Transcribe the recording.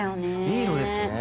いい色ですね。